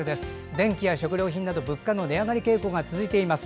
電気や食料品など、物価の値上がり傾向が続いています。